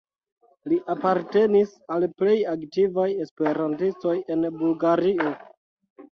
Li apartenis al plej aktivaj esperantistoj en Bulgario.